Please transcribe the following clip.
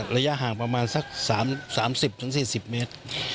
ระยะห่างประมาณสัก๓๐๔๐เมตร